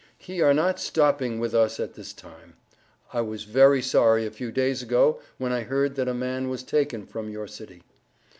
He are not stoping with us at this time. I was very sorry a few days ago when I heard that a man was taken from your city.